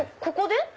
ここで？